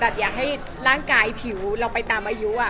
อยากให้ร่างกายผิวเราไปตามอายุ